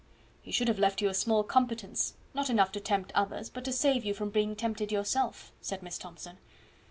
"He should have left you a small competence not enough to tempt others, but to save you from being tempted yourself," said Miss Thomson.